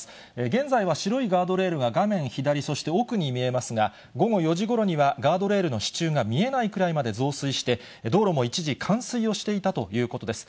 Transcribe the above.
現在は白いガードレールが画面左、そして奥に見えますが、午後４時ごろにはガードレールの支柱が見えないくらいまで増水して、道路も一時、冠水をしていたということです。